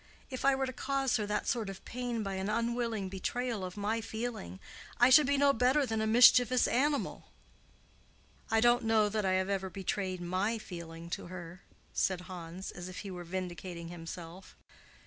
If I were to cause her that sort of pain by an unwilling betrayal of my feeling, I should be no better than a mischievous animal." "I don't know that I have ever betrayed my feeling to her," said Hans, as if he were vindicating himself.